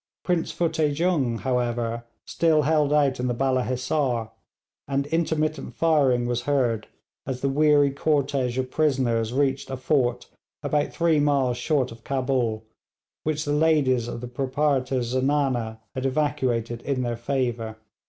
Prince Futteh Jung, however, still held out in the Balla Hissar, and intermittent firing was heard as the weary cortège of prisoners reached a fort about three miles short of Cabul, which the ladies of the proprietor's zenana had evacuated in their favour.